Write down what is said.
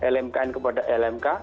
lmkn kepada lmk